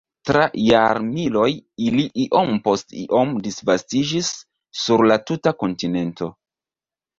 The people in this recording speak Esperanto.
Tra jarmiloj ili iom post iom disvastiĝis sur la tuta kontinento.